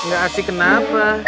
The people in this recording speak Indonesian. ga asik kenapa